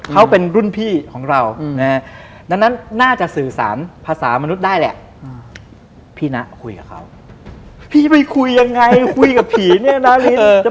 นาฬินจะบ้าเหรอ